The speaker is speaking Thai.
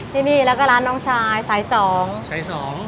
ที่นี่แล้วก็ร้านน้องชายสายสองสายสอง